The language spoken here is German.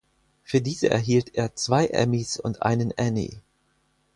Für diese erhielt er zwei Emmys und einen Annie.